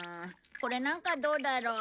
これなんかどうだろう？